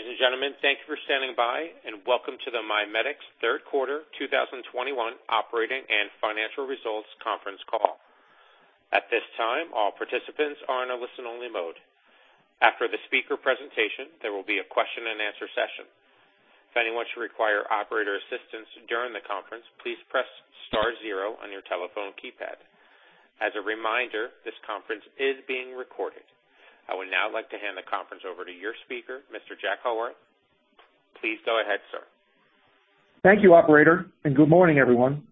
Ladies and gentlemen, thank you for standing by and welcome to the MiMedx third quarter 2021 operating and financial results conference call. At this time, all participants are in a listen-only mode. After the speaker presentation, there will be a question-and-answer session. If anyone should require operator assistance during the conference, please press star zero on your telephone keypad. As a reminder, this conference is being recorded. I would now like to hand the conference over to your speaker, Mr. Jack Howarth. Please go ahead, sir. Thank you operator, and good morning, everyone.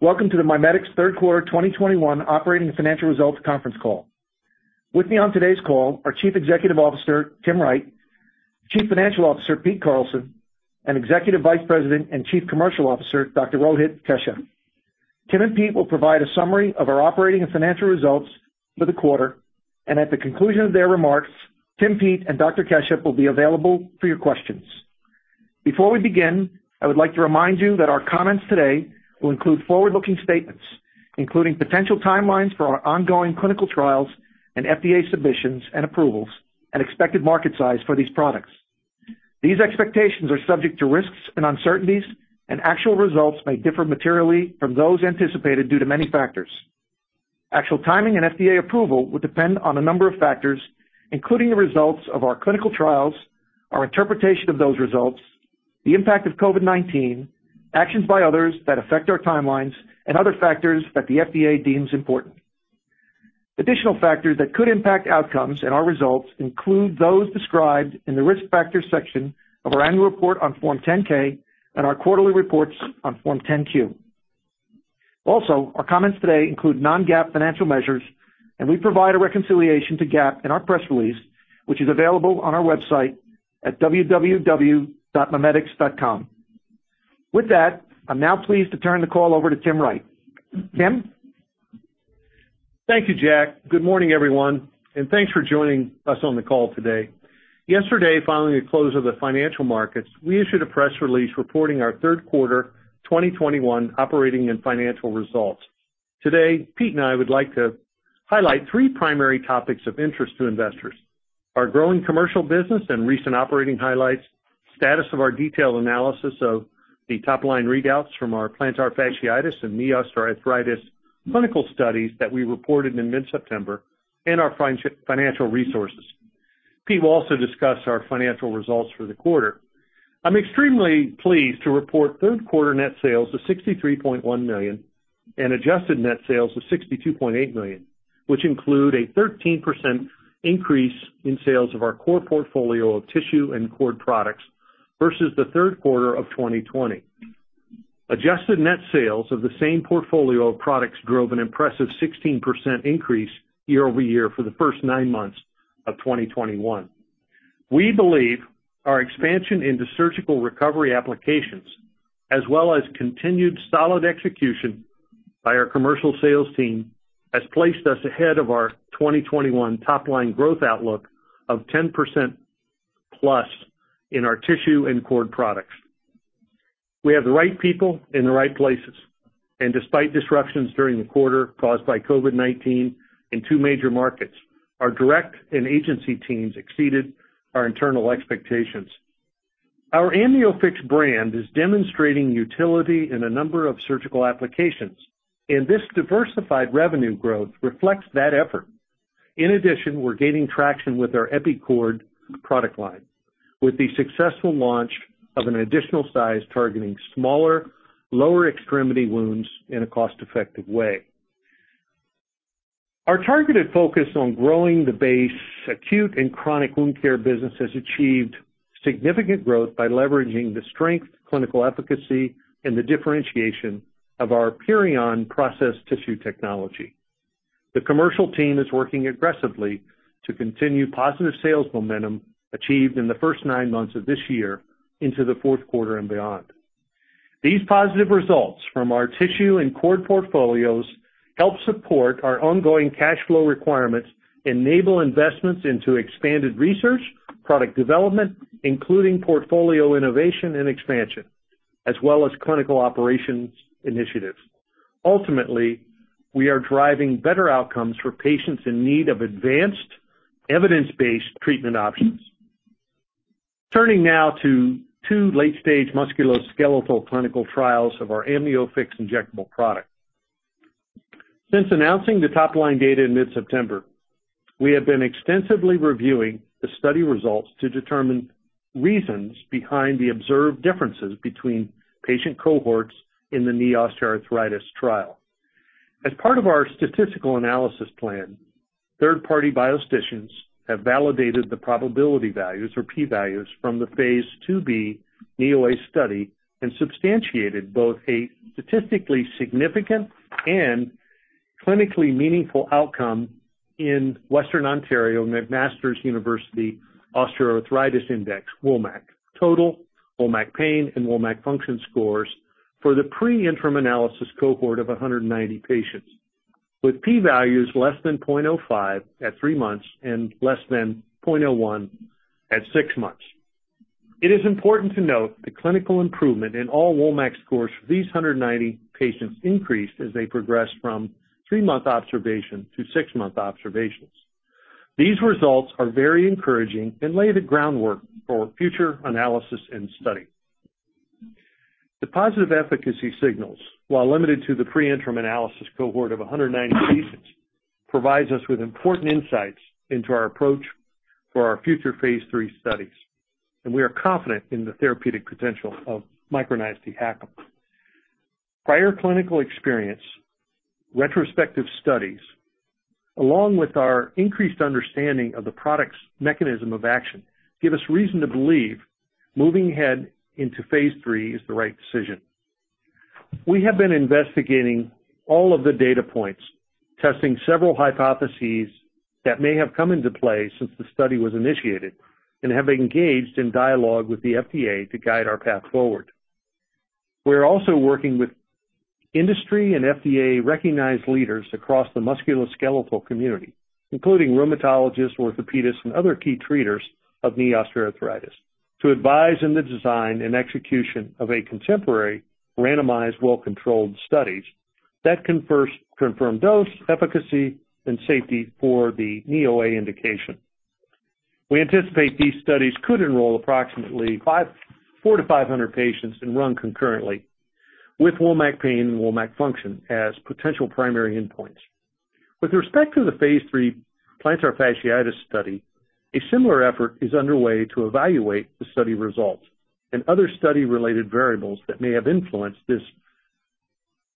Welcome to the MiMedx third quarter 2021 operating and financial results conference call. With me on today's call are Chief Executive Officer Tim Wright, Chief Financial Officer Pete Carlson, and Executive Vice President and Chief Commercial Officer Dr. Rohit Kashyap. Tim and Pete will provide a summary of our operating and financial results for the quarter, and at the conclusion of their remarks, Tim, Pete, and Dr. Rohit Kashyap will be available for your questions. Before we begin, I would like to remind you that our comments today will include forward-looking statements, including potential timelines for our ongoing clinical trials and FDA submissions and approvals and expected market size for these products. These expectations are subject to risks and uncertainties, and actual results may differ materially from those anticipated due to many factors. Actual timing and FDA approval will depend on a number of factors, including the results of our clinical trials, our interpretation of those results, the impact of COVID-19, actions by others that affect our timelines, and other factors that the FDA deems important. Additional factors that could impact outcomes and our results include those described in the Risk Factors section of our annual report on Form 10-K and our quarterly reports on Form 10-Q. Also, our comments today include non-GAAP financial measures, and we provide a reconciliation to GAAP in our press release, which is available on our website at www.mimedx.com. With that, I'm now pleased to turn the call over to Tim Wright. Tim? Thank you, Jack. Good morning, everyone, and thanks for joining us on the call today. Yesterday, following the close of the financial markets, we issued a press release reporting our third quarter 2021 operating and financial results. Today, Pete and I would like to highlight three primary topics of interest to investors. Our growing commercial business and recent operating highlights, status of our detailed analysis of the top-line readouts from our plantar fasciitis and knee osteoarthritis clinical studies that we reported in mid-September, and our financial resources. Pete will also discuss our financial results for the quarter. I'm extremely pleased to report third quarter net sales of $63.1 million and adjusted net sales of $62.8 million, which include a 13% increase in sales of our core portfolio of tissue and cord products versus the third quarter of 2020. Adjusted net sales of the same portfolio of products drove an impressive 16% increase year-over-year for the first nine months of 2021. We believe our expansion into surgical recovery applications, as well as continued solid execution by our commercial sales team, has placed us ahead of our 2021 top-line growth outlook of 10%+ in our tissue and cord products. We have the right people in the right places, and despite disruptions during the quarter caused by COVID-19 in two major markets, our direct and agency teams exceeded our internal expectations. Our AmnioFix brand is demonstrating utility in a number of surgical applications, and this diversified revenue growth reflects that effort. In addition, we're gaining traction with our EpiCord product line with the successful launch of an additional size targeting smaller, lower extremity wounds in a cost-effective way. Our targeted focus on growing the base acute and chronic wound care business has achieved significant growth by leveraging the strength, clinical efficacy, and the differentiation of our PURION process tissue technology. The commercial team is working aggressively to continue positive sales momentum achieved in the first nine months of this year into the fourth quarter and beyond. These positive results from our tissue and cord portfolios help support our ongoing cash flow requirements, enable investments into expanded research, product development, including portfolio innovation and expansion, as well as clinical operations initiatives. Ultimately, we are driving better outcomes for patients in need of advanced evidence-based treatment options. Turning now to two late-stage musculoskeletal clinical trials of our AmnioFix Injectable product. Since announcing the top-line data in mid-September, we have been extensively reviewing the study results to determine reasons behind the observed differences between patient cohorts in the knee osteoarthritis trial. As part of our statistical analysis plan, third-party biostatisticians have validated the probability values or P values from the phase II-B NEOA study and substantiated both a statistically significant and clinically meaningful outcome in Western Ontario and McMaster Universities Osteoarthritis Index, WOMAC Total, WOMAC Pain, and WOMAC Function scores for the pre-interim analysis cohort of 190 patients with P values less than 0.05 at three months and less than 0.01 at six months. It is important to note the clinical improvement in all WOMAC scores for these 190 patients increased as they progressed from three-month observation to six-month observations. These results are very encouraging and lay the groundwork for future analysis and study. The positive efficacy signals, while limited to the pre-interim analysis cohort of 190 patients, provides us with important insights into our approach for our future phase III studies, and we are confident in the therapeutic potential of micronized dHACM. Prior clinical experience, retrospective studies, along with our increased understanding of the product's mechanism of action, give us reason to believe moving ahead into phase III is the right decision. We have been investigating all of the data points, testing several hypotheses that may have come into play since the study was initiated, and have engaged in dialogue with the FDA to guide our path forward. We are also working with industry and FDA-recognized leaders across the musculoskeletal community, including rheumatologists, orthopedists, and other key treaters of knee osteoarthritis, to advise in the design and execution of contemporary randomized, well-controlled studies that confirm dose, efficacy, and safety for the knee OA indication. We anticipate these studies could enroll approximately 400-500 patients and run concurrently with WOMAC pain and WOMAC function as potential primary endpoints. With respect to the phase III plantar fasciitis study, a similar effort is underway to evaluate the study results and other study-related variables that may have influenced this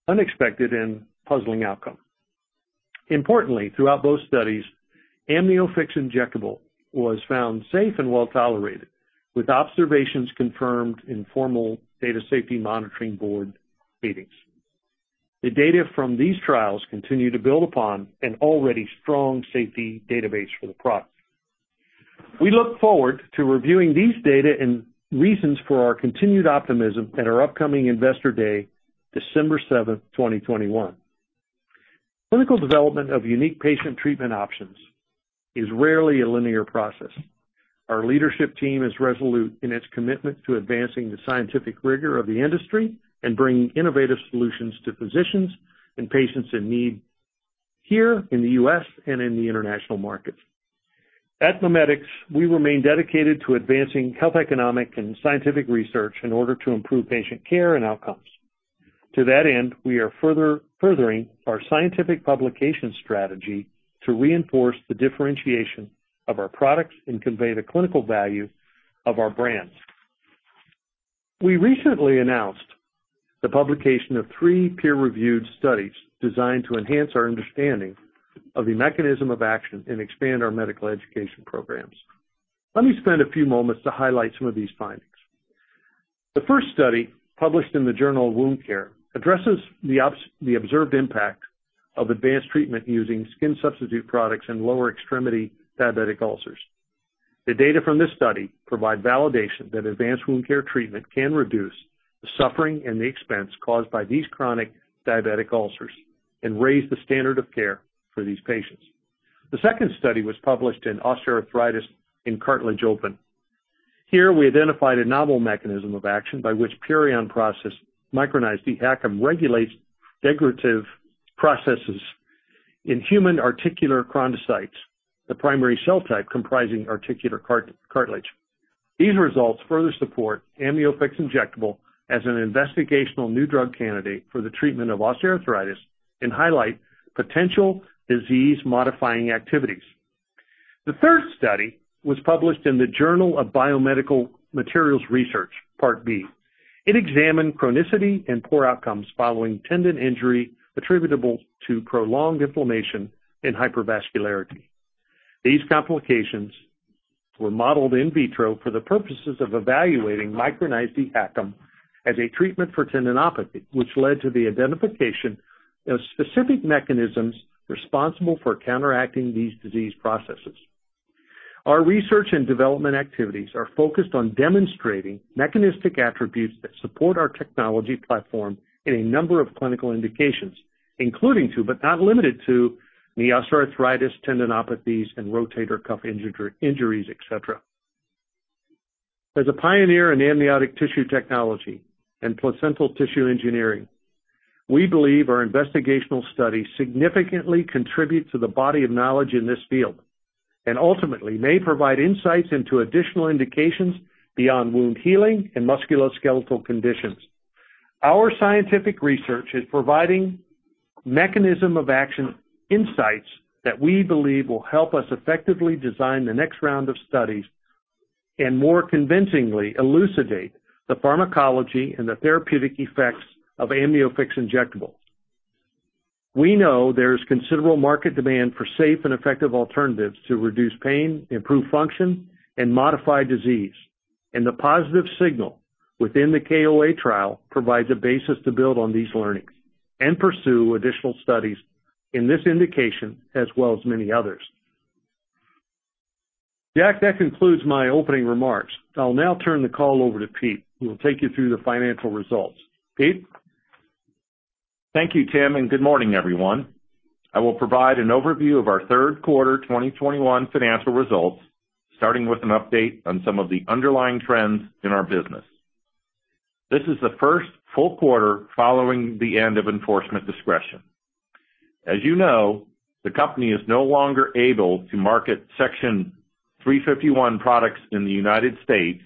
unexpected and puzzling outcome. Importantly, throughout both studies, AmnioFix Injectable was found safe and well-tolerated, with observations confirmed in formal data safety monitoring board meetings. The data from these trials continue to build upon an already strong safety database for the product. We look forward to reviewing these data and reasons for our continued optimism at our upcoming Investor Day, December 7, 2021. Clinical development of unique patient treatment options is rarely a linear process. Our leadership team is resolute in its commitment to advancing the scientific rigor of the industry and bringing innovative solutions to physicians and patients in need here in the U.S. and in the international markets. At MiMedx, we remain dedicated to advancing health, economic, and scientific research in order to improve patient care and outcomes. To that end, we are furthering our scientific publication strategy to reinforce the differentiation of our products and convey the clinical value of our brands. We recently announced the publication of three peer-reviewed studies designed to enhance our understanding of the mechanism of action and expand our medical education programs. Let me spend a few moments to highlight some of these findings. The first study, published in the Journal of Wound Care, addresses the observed impact of advanced treatment using skin substitute products in lower extremity diabetic ulcers. The data from this study provide validation that advanced wound care treatment can reduce the suffering and the expense caused by these chronic diabetic ulcers and raise the standard of care for these patients. The second study was published in Osteoarthritis and Cartilage Open. Here, we identified a novel mechanism of action by which PURION process micronized dHACM regulates degradative processes in human articular chondrocytes, the primary cell type comprising articular cartilage. These results further support AmnioFix Injectable as an investigational new drug candidate for the treatment of osteoarthritis and highlight potential disease-modifying activities. The third study was published in the Journal of Biomedical Materials Research Part B. It examined chronicity and poor outcomes following tendon injury attributable to prolonged inflammation and hypervascularity. These complications were modeled in vitro for the purposes of evaluating micronized dHACM as a treatment for tendinopathy, which led to the identification of specific mechanisms responsible for counteracting these disease processes. Our research and development activities are focused on demonstrating mechanistic attributes that support our technology platform in a number of clinical indications, including but not limited to knee osteoarthritis, tendinopathies, and rotator cuff injuries, etc. As a pioneer in amniotic tissue technology and placental tissue engineering, we believe our investigational study significantly contributes to the body of knowledge in this field and ultimately may provide insights into additional indications beyond wound healing and musculoskeletal conditions. Our scientific research is providing mechanism-of-action insights that we believe will help us effectively design the next round of studies and more convincingly elucidate the pharmacology and the therapeutic effects of AmnioFix Injectable. We know there is considerable market demand for safe and effective alternatives to reduce pain, improve function, and modify disease. The positive signal within the KOA trial provides a basis to build on these learnings and pursue additional studies in this indication as well as many others. Jack, that concludes my opening remarks. I'll now turn the call over to Pete, who will take you through the financial results. Pete? Thank you, Tim, and good morning, everyone. I will provide an overview of our third quarter 2021 financial results, starting with an update on some of the underlying trends in our business. This is the first full quarter following the end of enforcement discretion. As you know, the company is no longer able to market Section 351 products in the United States,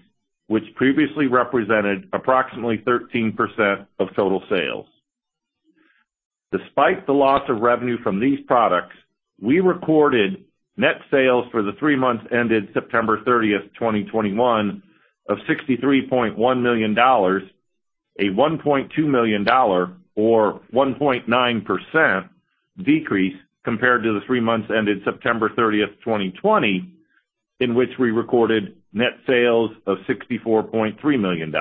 which previously represented approximately 13% of total sales. Despite the loss of revenue from these products, we recorded net sales for the three months ended September 30, 2021 of $63.1 million, a $1.2 million or 1.9% decrease compared to the three months ended September 30, 2020, in which we recorded net sales of $64.3 million.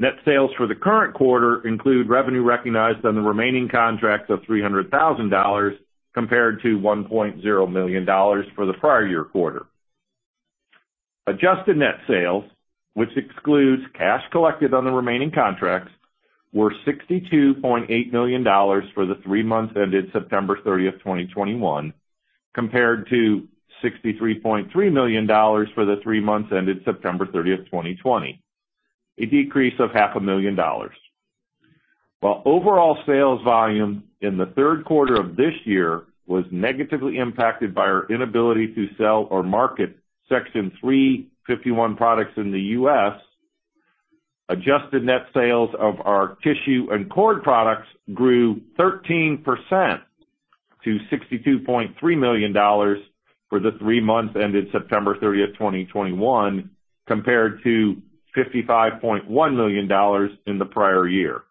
Net sales for the current quarter include revenue recognized on the remaining contracts of $300,000 compared to $1.0 million for the prior year quarter. Adjusted net sales, which excludes cash collected on the remaining contracts, were $62.8 million for the three months ended September 30, 2021, compared to $63.3 million for the three months ended September 30, 2020, a decrease of half a million dollars. While overall sales volume in the third quarter of this year was negatively impacted by our inability to sell or market Section 351 products in the U.S., adjusted net sales of our tissue and cord products grew 13% to $62.3 million for the three months ended September 30, 2021, compared to $55.1 million in the prior year.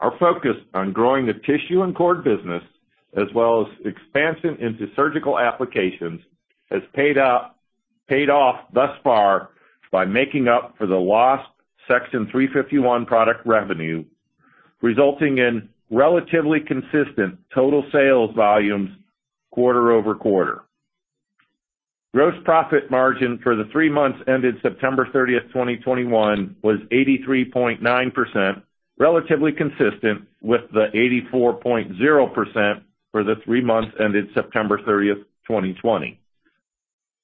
Our focus on growing the tissue and cord business, as well as expansion into surgical applications, has paid off thus far by making up for the lost Section 351 product revenue, resulting in relatively consistent total sales volumes quarter-over-quarter. Gross profit margin for the three months ended September 30, 2021 was 83.9%, relatively consistent with the 84.0% for the three months ended September 30, 2020.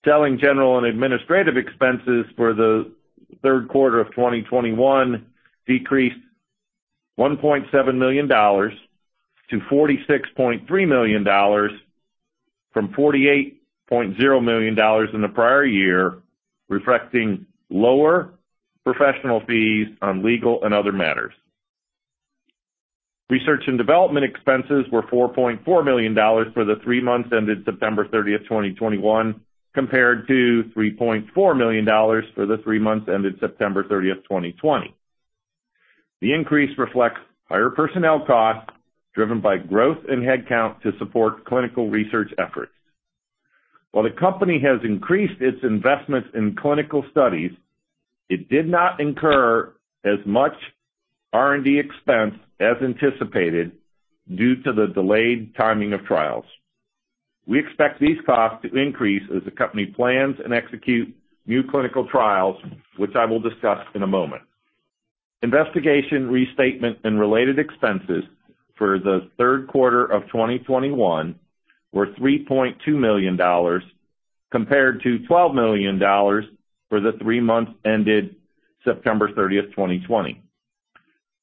Selling, general and administrative expenses for the third quarter of 2021 decreased $1.7 million to $46.3 million from $48.0 million in the prior year, reflecting lower professional fees on legal and other matters. Research and development expenses were $4.4 million for the three months ended September 30, 2021, compared to $3.4 million for the three months ended September 30, 2020. The increase reflects higher personnel costs driven by growth in headcount to support clinical research efforts. While the company has increased its investments in clinical studies, it did not incur as much R&D expense as anticipated due to the delayed timing of trials. We expect these costs to increase as the company plans and execute new clinical trials, which I will discuss in a moment. Investigation, restatement, and related expenses for the third quarter of 2021 were $3.2 million compared to $12 million for the three months ended September 30, 2020.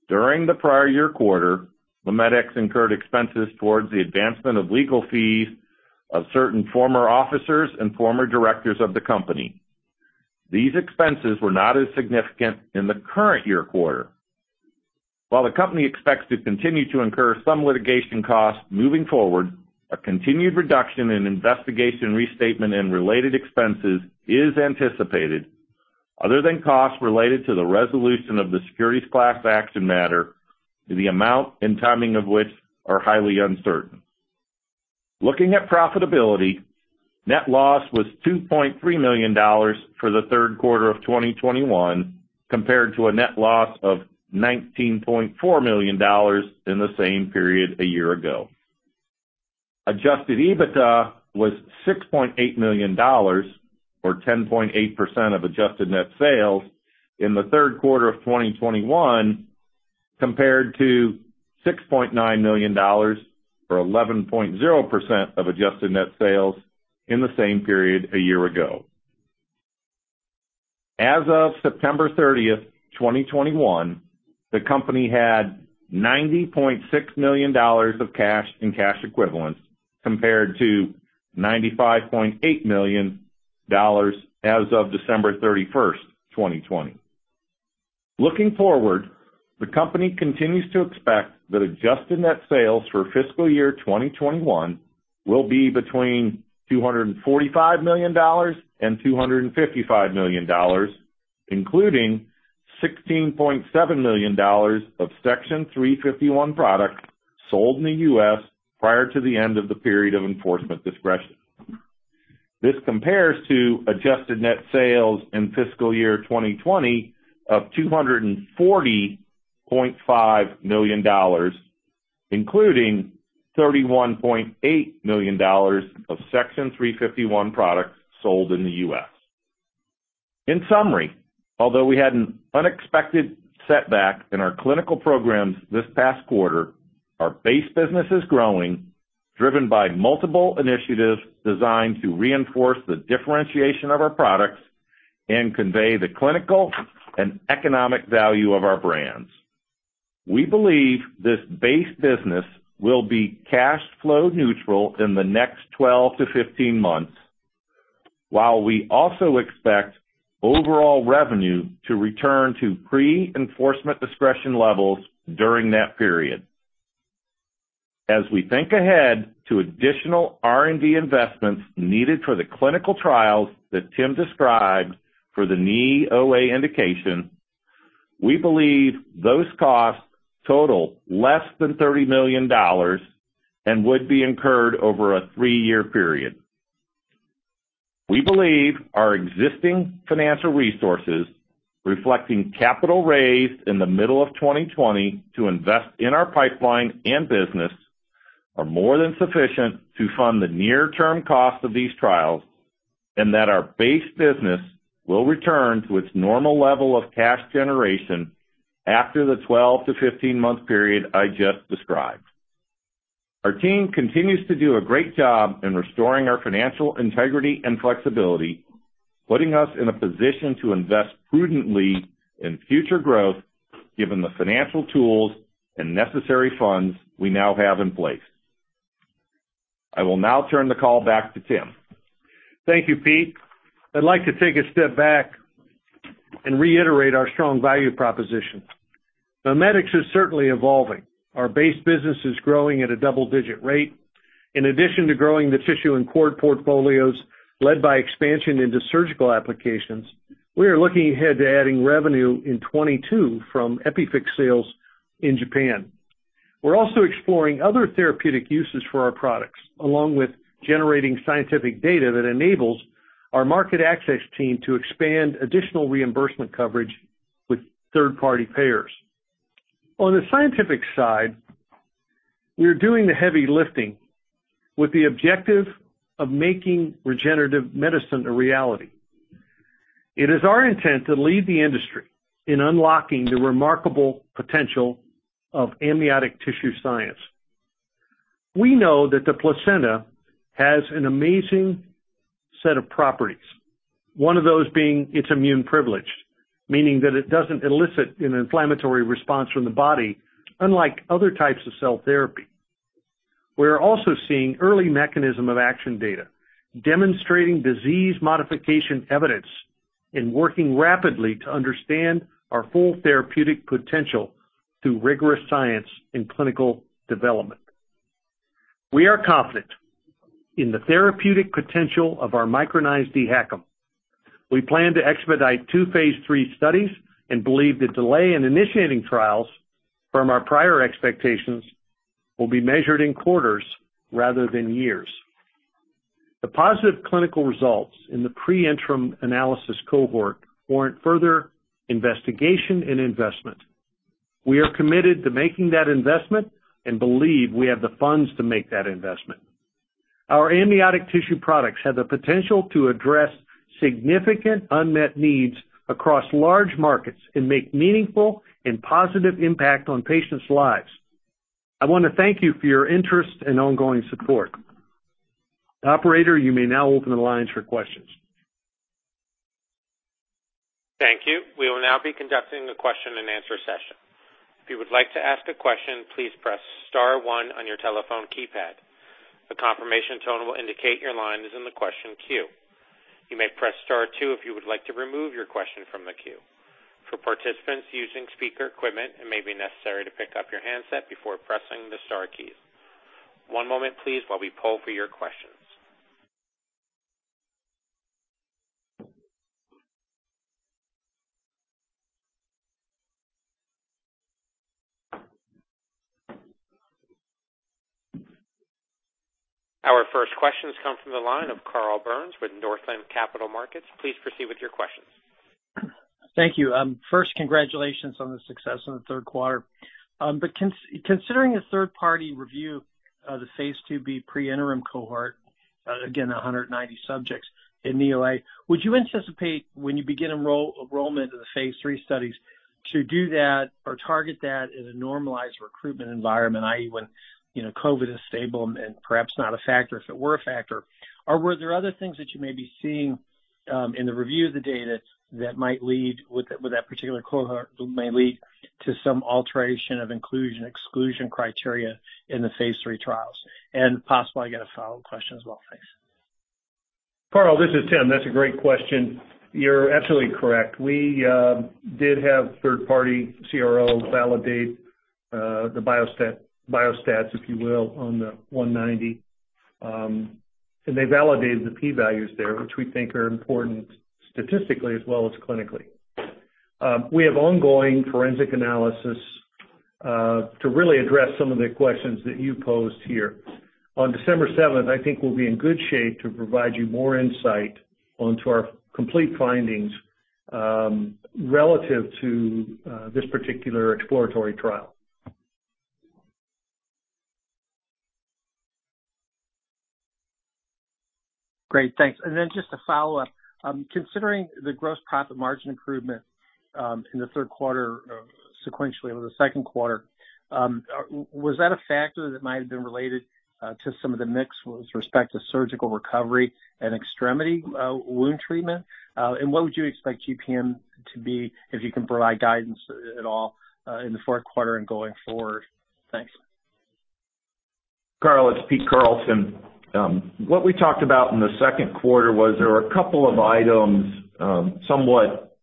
During the prior year quarter, MiMedx incurred expenses towards the advancement of legal fees of certain former officers and former directors of the company. These expenses were not as significant in the current year quarter. While the company expects to continue to incur some litigation costs moving forward, a continued reduction in investigation, restatement, and related expenses is anticipated, other than costs related to the resolution of the securities class action matter, the amount and timing of which are highly uncertain. Looking at profitability, net loss was $2.3 million for the third quarter of 2021 compared to a net loss of $19.4 million in the same period a year ago. Adjusted EBITDA was $6.8 million or 10.8% of adjusted net sales in the third quarter of 2021 compared to $6.9 million or 11.0% of adjusted net sales in the same period a year ago. As of September 30, 2021, the company had $90.6 million of cash and cash equivalents compared to $95.8 million as of December 31, 2020. Looking forward, the company continues to expect that adjusted net sales for fiscal year 2021 will be between $245 million and $255 million, including $16.7 million of Section 351 products sold in the U.S. prior to the end of the period of enforcement discretion. This compares to adjusted net sales in fiscal year 2020 of $240.5 million, including $31.8 million of Section 351 products sold in the U.S. In summary, although we had an unexpected setback in our clinical programs this past quarter, our base business is growing, driven by multiple initiatives designed to reinforce the differentiation of our products and convey the clinical and economic value of our brands. We believe this base business will be cash flow neutral in the next 12-15 months, while we also expect overall revenue to return to pre-enforcement discretion levels during that period. As we think ahead to additional R&D investments needed for the clinical trials that Tim described for the knee OA indication, we believe those costs total less than $30 million and would be incurred over a three-year period. We believe our existing financial resources, reflecting capital raised in the middle of 2020 to invest in our pipeline and business, are more than sufficient to fund the near term cost of these trials, and that our base business will return to its normal level of cash generation after the 12-15-month period I just described. Our team continues to do a great job in restoring our financial integrity and flexibility, putting us in a position to invest prudently in future growth given the financial tools and necessary funds we now have in place. I will now turn the call back to Tim. Thank you, Pete. I'd like to take a step back and reiterate our strong value proposition. MiMedx is certainly evolving. Our base business is growing at a double-digit rate. In addition to growing the tissue and cord portfolios led by expansion into surgical applications, we are looking ahead to adding revenue in 2022 from EpiFix sales in Japan. We're also exploring other therapeutic uses for our products, along with generating scientific data that enables our market access team to expand additional reimbursement coverage with third-party payers. On the scientific side, we are doing the heavy lifting with the objective of making regenerative medicine a reality. It is our intent to lead the industry in unlocking the remarkable potential of amniotic tissue science. We know that the placenta has an amazing set of properties, one of those being it's immune privileged, meaning that it doesn't elicit an inflammatory response from the body, unlike other types of cell therapy. We are also seeing early mechanism of action data demonstrating disease modification evidence and working rapidly to understand our full therapeutic potential through rigorous science and clinical development. We are confident in the therapeutic potential of our micronized dHACM. We plan to expedite two phase III studies and believe the delay in initiating trials from our prior expectations will be measured in quarters rather than years. The positive clinical results in the pre-interim analysis cohort warrant further investigation and investment. We are committed to making that investment and believe we have the funds to make that investment. Our amniotic tissue products have the potential to address significant unmet needs across large markets and make meaningful and positive impact on patients' lives. I want to thank you for your interest and ongoing support. Operator, you may now open the lines for questions. Thank you. We will now be conducting the question-and-answer session. If you would like to ask a question, please press star one on your telephone keypad. A confirmation tone will indicate your line is in the question queue. You may press star two if you would like to remove your question from the queue. For participants using speaker equipment, it may be necessary to pick up your handset before pressing the star keys. One moment, please, while we poll for your questions. Our first questions come from the line of Carl Byrnes with Northland Capital Markets. Please proceed with your questions. Thank you. First, congratulations on the success in the third quarter. Considering a third-party review of the phase II B pre-interim cohort, again, 190 subjects in knee OA, would you anticipate when you begin enrollment of the phase III studies to do that or target that in a normalized recruitment environment, i.e., when, you know, COVID is stable and perhaps not a factor, if it were a factor? Or were there other things that you may be seeing in the review of the data that might lead with that particular cohort, may lead to some alteration of inclusion, exclusion criteria in the phase III trials? Possibly I got a follow-up question as well. Thanks. Carl, this is Tim. That's a great question. You're absolutely correct. We did have third party CRO validate the biostats, if you will, on the 190, and they validated the P values there, which we think are important statistically as well as clinically. We have ongoing forensic analysis to really address some of the questions that you posed here. On December 7th, I think we'll be in good shape to provide you more insight onto our complete findings relative to this particular exploratory trial. Great, thanks. Then just a follow-up. Considering the gross profit margin improvement in the third quarter sequentially over the second quarter, was that a factor that might have been related to some of the mix with respect to surgical recovery and extremity wound treatment? What would you expect UPM to be if you can provide guidance at all in the fourth quarter and going forward? Thanks. Carl Byrnes, it's Pete Carlson. What we talked about in the second quarter was there were a couple of items, somewhat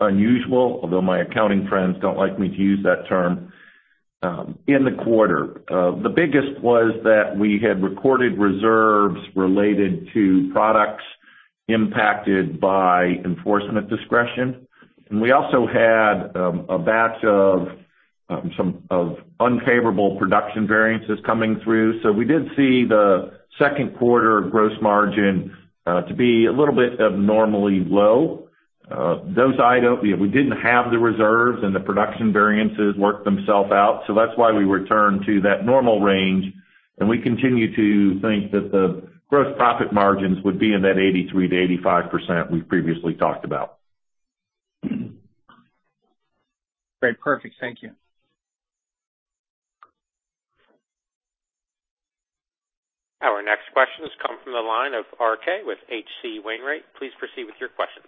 unusual, although my accounting friends don't like me to use that term, in the quarter. The biggest was that we had recorded reserves related to products impacted by enforcement discretion. We also had a batch of some of unfavorable production variances coming through. So we did see the second quarter gross margin to be a little bit abnormally low. Those items, you know, we didn't have the reserves and the production variances worked themselves out. That's why we returned to that normal range, and we continue to think that the gross profit margins would be in that 83%-85% we've previously talked about. Great. Perfect. Thank you. Our next question has come from the line of RK with H.C. Wainwright. Please proceed with your questions.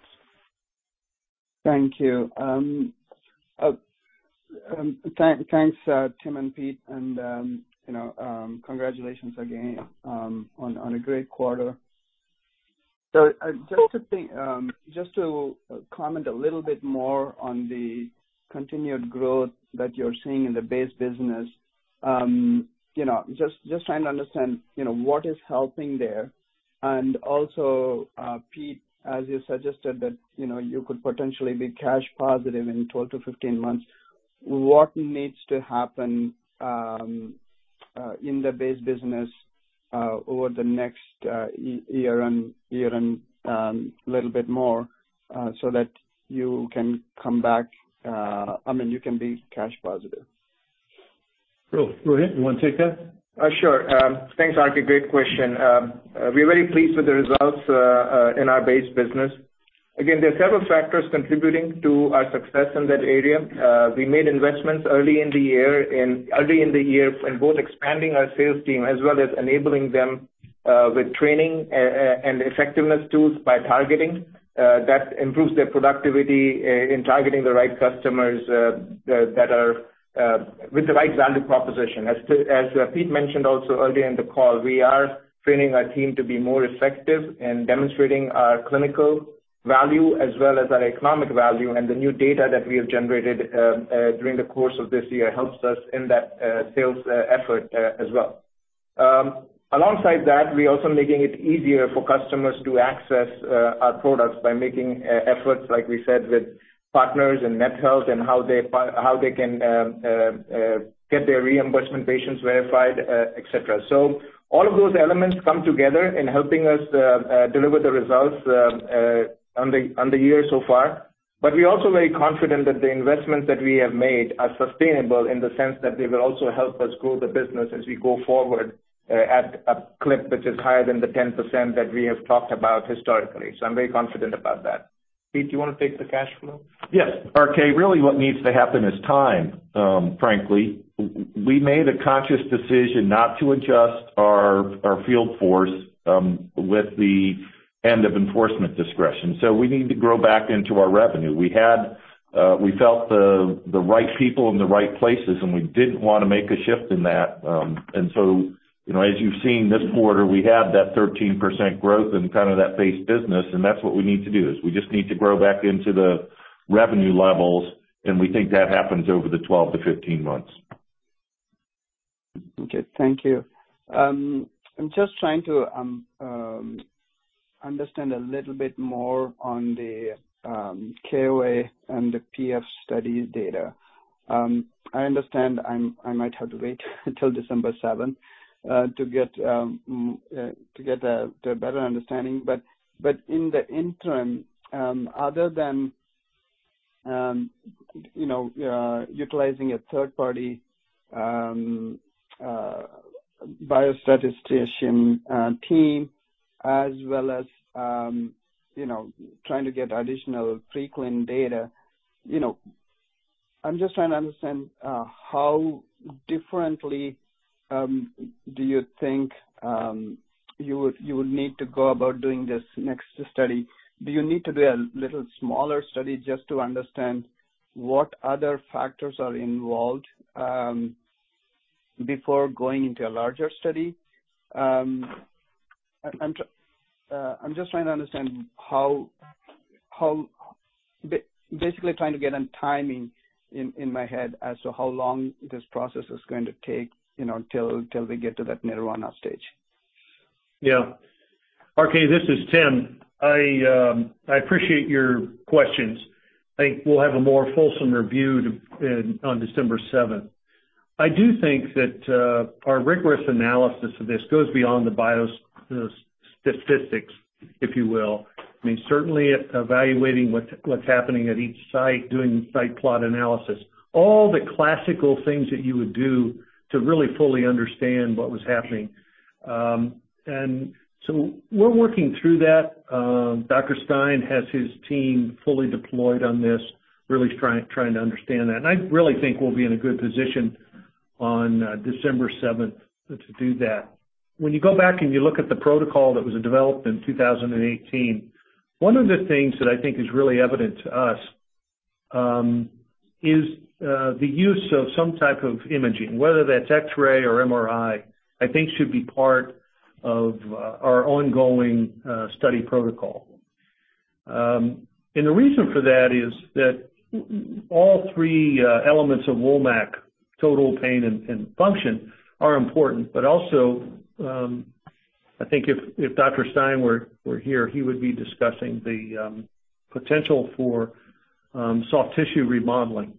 Thank you. Thanks, Tim and Pete, and, you know, congratulations again on a great quarter. Just to comment a little bit more on the continued growth that you're seeing in the base business, you know, just trying to understand, you know, what is helping there. Also, Pete, as you suggested that, you know, you could potentially be cash positive in 12-15 months, what needs to happen in the base business over the next year and a little bit more so that you can come back, I mean, you can be cash positive? Rohit, you wanna take that? Sure. Thanks, RK. Great question. We're very pleased with the results in our base business. Again, there are several factors contributing to our success in that area. We made investments early in the year in both expanding our sales team as well as enabling them with training and effectiveness tools by targeting that improves their productivity in targeting the right customers that are with the right value proposition. As Pete mentioned also early in the call, we are training our team to be more effective in demonstrating our clinical value as well as our economic value. The new data that we have generated during the course of this year helps us in that sales effort as well. Alongside that, we're also making it easier for customers to access our products by making efforts, like we said, with partners and Net Health and how they can get their reimbursement patients verified, et cetera. All of those elements come together in helping us deliver the results on the year so far. We're also very confident that the investments that we have made are sustainable in the sense that they will also help us grow the business as we go forward at a clip which is higher than the 10% that we have talked about historically. I'm very confident about that. Pete, do you want to take the cash flow? Yes. RK, really what needs to happen is time, frankly. We made a conscious decision not to adjust our field force with the end of enforcement discretion. We need to grow back into our revenue. We had, we felt the right people in the right places, and we didn't wanna make a shift in that. You know, as you've seen this quarter, we have that 13% growth in kind of that base business, and that's what we need to do, is we just need to grow back into the revenue levels, and we think that happens over the 12-15 months. Okay. Thank you. I'm just trying to understand a little bit more on the KOA and the PF studies data. I understand I might have to wait until December 7th to get a better understanding. In the interim, other than you know utilizing a third party biostatistician team, as well as you know trying to get additional frequent data, you know I'm just trying to understand how differently do you think you would need to go about doing this next study? Do you need to do a little smaller study just to understand what other factors are involved before going into a larger study? I'm just trying to understand how. Basically trying to get a timing in my head as to how long this process is going to take, you know, till we get to that nirvana stage. Yeah. RK, this is Tim. I appreciate your questions. I think we'll have a more fulsome review in, on December 7th. I do think that our rigorous analysis of this goes beyond the bio. Statistics, if you will. I mean, certainly evaluating what's happening at each site, doing site plot analysis, all the classical things that you would do to really fully understand what was happening. We're working through that. Dr. Stein has his team fully deployed on this, really trying to understand that. I really think we'll be in a good position on December 7 to do that. When you go back and you look at the protocol that was developed in 2018, one of the things that I think is really evident to us is the use of some type of imaging, whether that's X-ray or MRI. I think it should be part of our ongoing study protocol. The reason for that is that all three elements of WOMAC, total pain and function are important. Also, I think if Dr. Stein were here, he would be discussing the potential for soft tissue remodeling.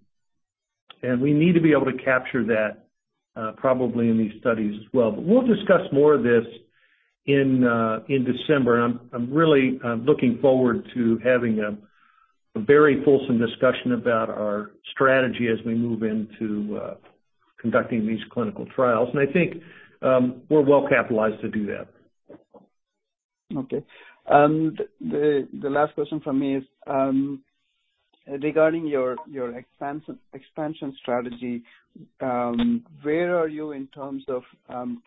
We need to be able to capture that, probably in these studies as well. We'll discuss more of this in December. I'm really looking forward to having a very fulsome discussion about our strategy as we move into conducting these clinical trials. I think we're well-capitalized to do that. Okay. The last question from me is, regarding your expansion strategy, where are you in terms of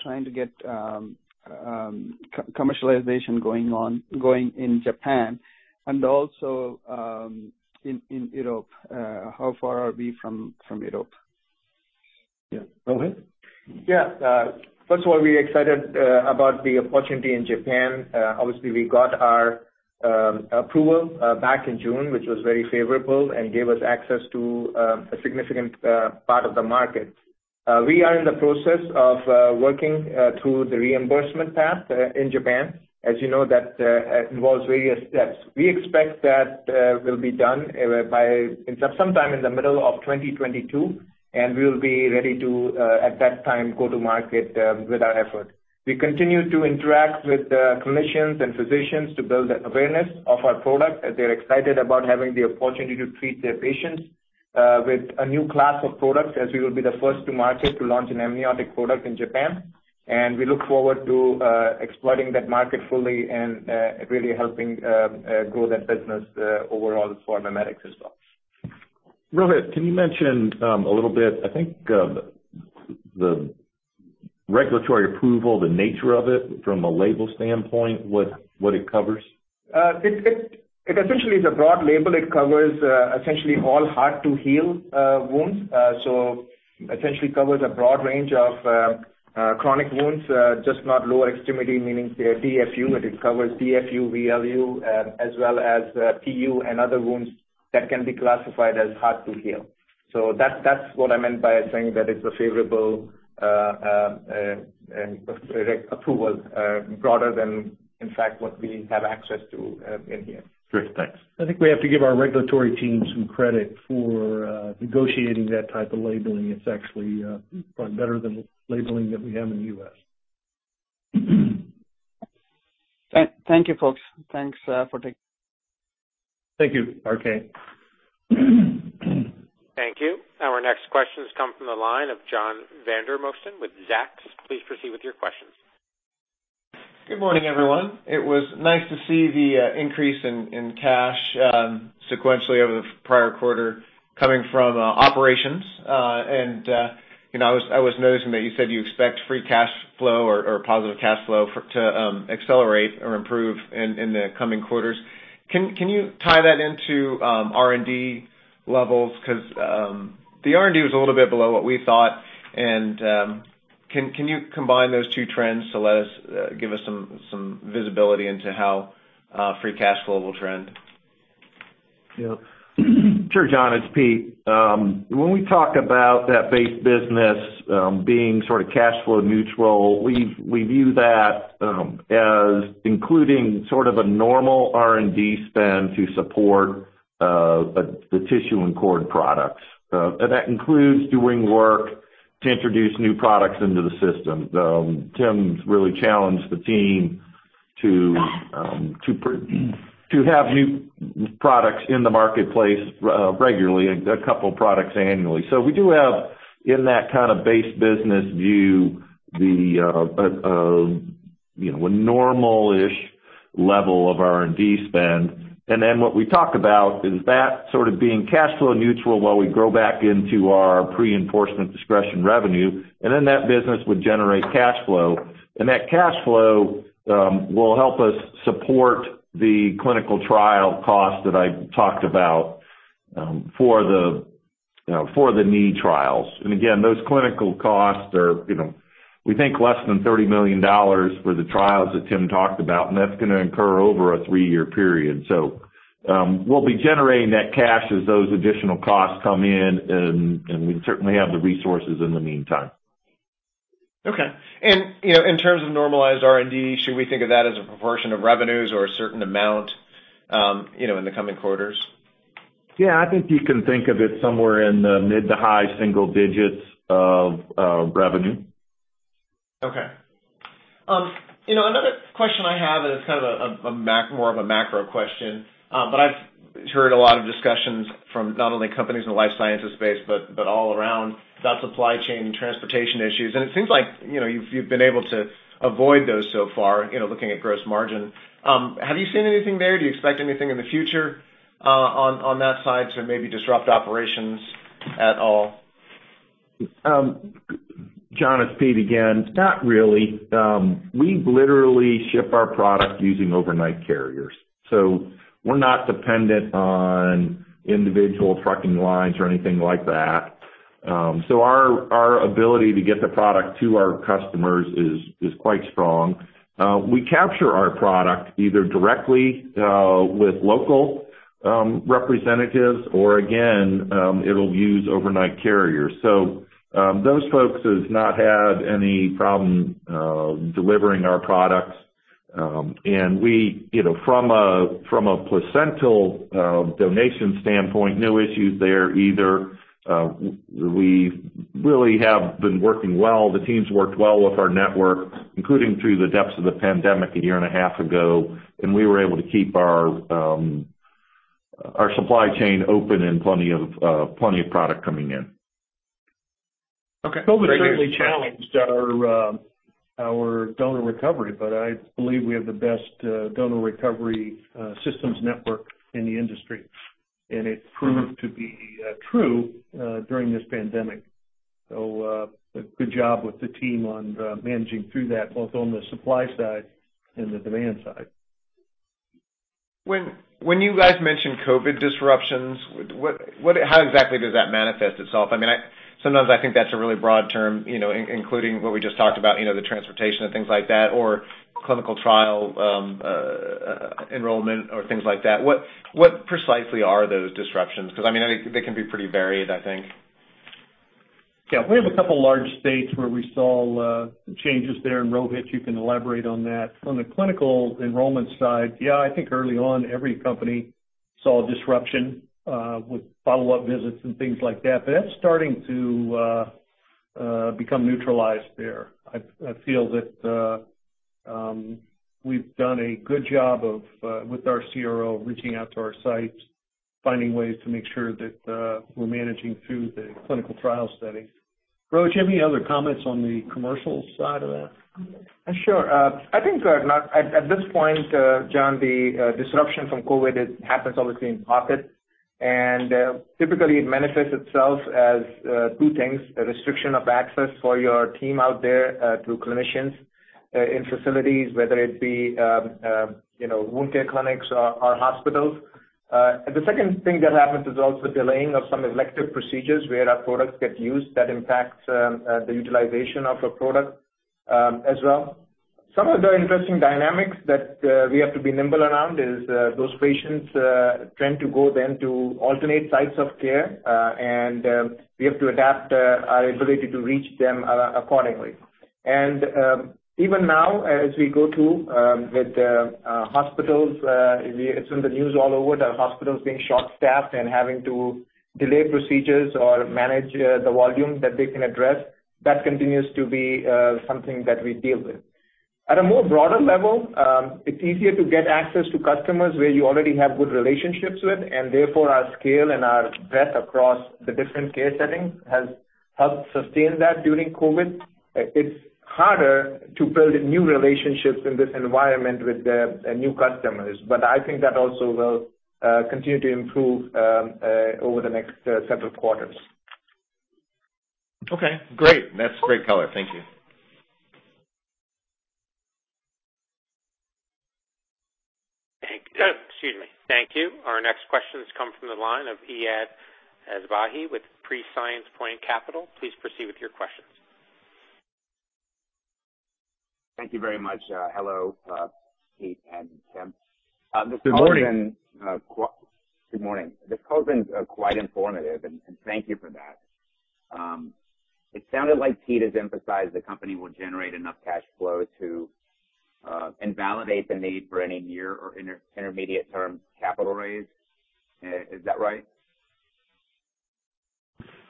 trying to get commercialization going in Japan and also in Europe? How far are we from Europe? Yeah. Rohit? Yeah. First of all, we're excited about the opportunity in Japan. Obviously, we got our approval back in June, which was very favorable and gave us access to a significant part of the market. We are in the process of working through the reimbursement path in Japan. As you know, that involves various steps. We expect that we'll be done sometime in the middle of 2022, and we'll be ready to, at that time, go to market with our effort. We continue to interact with clinicians and physicians to build an awareness of our product, as they're excited about having the opportunity to treat their patients with a new class of products, as we will be the first to market to launch an amniotic product in Japan. We look forward to exploiting that market fully and really helping grow that business overall for MiMedx as well. Rohit, can you mention a little bit, I think, the regulatory approval, the nature of it from a label standpoint, what it covers? It essentially is a broad label. It covers essentially all hard-to-heal wounds. Essentially, it covers a broad range of chronic wounds, just not lower extremity, meaning DFU. It covers DFU, VLU, as well as PU and other wounds that can be classified as hard to heal. That's what I meant by saying that it's a favorable approval, broader than in fact what we have access to in here. Great. Thanks. I think we have to give our regulatory team some credit for negotiating that type of labeling. It's actually probably better than the labeling that we have in the U.S. Thank you, folks. Thanks for taking- Thank you, R.K. Thank you. Our next question comes from the line of John Vandermosten with Zacks. Please proceed with your questions. Good morning, everyone. It was nice to see the increase in cash sequentially over the prior quarter coming from operations. You know, I was noticing that you said you expect free cash flow or positive cash flow to accelerate or improve in the coming quarters. Can you tie that into R&D levels? Because the R&D was a little bit below what we thought. Can you combine those two trends to give us some visibility into how free cash flow will trend? Yeah. Sure, John. It's Pete. When we talk about that base business being sort of cash flow neutral, we view that as including sort of a normal R&D spend to support the tissue and cord products. That includes doing work to introduce new products into the system. Tim's really challenged the team to have new products in the marketplace regularly, a couple products annually. We do have in that kind of base business view the, you know, a normal-ish level of R&D spend. What we talk about is that sort of being cash flow neutral while we grow back into our pre-enforcement discretion revenue, and then that business would generate cash flow. That cash flow will help us support the clinical trial costs that I talked about for the, you know, for the knee trials. Again, those clinical costs are, you know, we think less than $30 million for the trials that Tim talked about, and that's gonna incur over a three-year period. We'll be generating that cash as those additional costs come in and we certainly have the resources in the meantime. Okay. You know, in terms of normalized R&D, should we think of that as a proportion of revenues or a certain amount, you know, in the coming quarters? Yeah, I think you can think of it somewhere in the mid to high single digits of revenue. Okay. You know, another question I have, and it's kind of more of a macro question. But I've heard a lot of discussions from not only companies in the life sciences space, but all around about supply chain and transportation issues. It seems like, you know, you've been able to avoid those so far, you know, looking at gross margin. Have you seen anything there? Do you expect anything in the future, on that side to maybe disrupt operations at all? John, it's Pete again. Not really. We literally ship our product using overnight carriers. We're not dependent on individual trucking lines or anything like that. Our ability to get the product to our customers is quite strong. We capture our product either directly with local representatives or again, we'll use overnight carriers. Those folks has not had any problem delivering our products. We, you know, from a placental donation standpoint, no issues there either. We really have been working well. The teams worked well with our network, including through the depths of the pandemic a year and a half ago, and we were able to keep our supply chain open and plenty of product coming in. Okay. COVID certainly challenged our donor recovery, but I believe we have the best donor recovery systems network in the industry. It proved to be true during this pandemic. A good job with the team on managing through that, both on the supply side and the demand side. When you guys mention COVID disruptions, how exactly does that manifest itself? I mean, sometimes I think that's a really broad term, you know, including what we just talked about, you know, the transportation and things like that, or clinical trial enrollment or things like that. What precisely are those disruptions? 'Cause, I mean, I think they can be pretty varied, I think. Yeah. We have a couple large states where we saw changes there, and Rohit, you can elaborate on that. On the clinical enrollment side, yeah, I think early on, every company saw disruption with follow-up visits and things like that. But that's starting to become neutralized there. I feel that we've done a good job of with our CRO reaching out to our sites, finding ways to make sure that we're managing through the clinical trial studies. Rohit, any other comments on the commercial side of that? Sure. I think at this point, John, the disruption from COVID happens obviously in pockets. Typically it manifests itself as two things, a restriction of access for your team out there to clinicians in facilities, whether it be you know wound care clinics or hospitals. The second thing that happens is also delaying of some elective procedures where our products get used that impacts the utilization of a product as well. Some of the interesting dynamics that we have to be nimble around is those patients tend to go then to alternate sites of care and we have to adapt our ability to reach them accordingly. Even now as we go through with the hospitals, it's in the news all over the hospitals being short-staffed and having to delay procedures or manage the volume that they can address. That continues to be something that we deal with. At a more broader level, it's easier to get access to customers where you already have good relationships with, and therefore, our scale and our breadth across the different care settings has helped sustain that during COVID. It's harder to build new relationships in this environment with the new customers, but I think that also will continue to improve over the next several quarters. Okay, great. That's great color. Thank you. Excuse me. Thank you. Our next question comes from the line of Eiad Asbahi with Prescience Point Capital Management. Please proceed with your questions. Thank you very much. Hello, Pete and Tim. Good morning. Good morning. This call has been quite informative and thank you for that. It sounded like Pete has emphasized the company will generate enough cash flow to and validate the need for any near or intermediate term capital raise. Is that right?